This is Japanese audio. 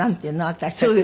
私たちの。